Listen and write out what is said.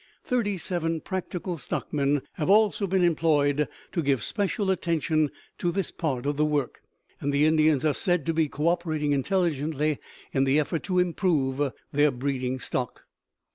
Thirty seven practical stockmen have also been employed to give special attention to this part of the work, and the Indians are said to be coöperating intelligently in the effort to improve their breeding stock.